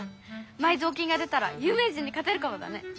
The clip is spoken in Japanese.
埋蔵金が出たらゆう名人にかてるかもだね！